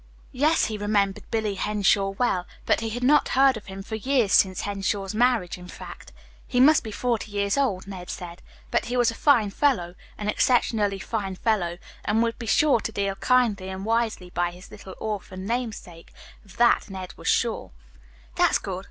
Yes, he remembered Billy Henshaw well, but he had not heard of him for years, since Henshaw's marriage, in fact. He must be forty years old, Ned said; but he was a fine fellow, an exceptionally fine fellow, and would be sure to deal kindly and wisely by his little orphan namesake; of that Ned was very sure. "That's good.